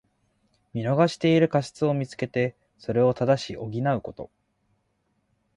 見逃している過失をみつけて、それを正し補うこと。